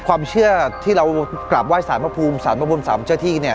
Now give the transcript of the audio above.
ความต้องเชื่อที่เรากลับว่ายสารพพภูมิสารผบสัมทราท์เชื่อที่